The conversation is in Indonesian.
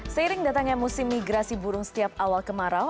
seiring datangnya musim migrasi burung setiap awal kemarau